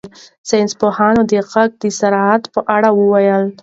ساینس پوهانو د غږ د سرعت په اړه وویل.